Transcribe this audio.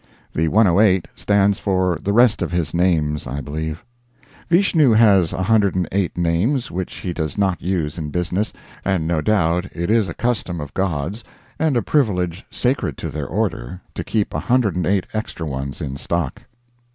The "108" stands for the rest of his names, I believe. Vishnu has 108 names which he does not use in business, and no doubt it is a custom of gods and a privilege sacred to their order to keep 108 extra ones in stock.